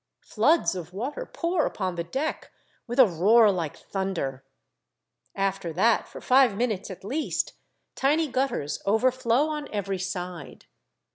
Floods of water pour upon the deck, with a roar like thunder; after that, for five minutes at least, tiny gutters overflow on every side.